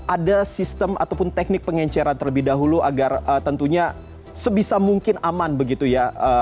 ada sistem ataupun teknik pengenceran terlebih dahulu agar tentunya sebisa mungkin aman begitu ya